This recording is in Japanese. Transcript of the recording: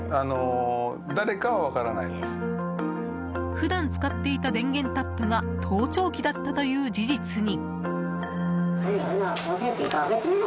普段使っていた電源タップが盗聴器だったという事実に。